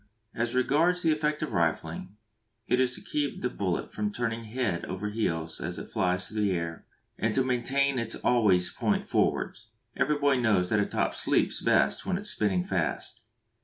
As regards the effect of rifling, it is to keep the bullet from turning head over heels as it flies through the air, and to maintain it always point forwards. Every boy knows that a top "sleeps" best when it is spinning fast.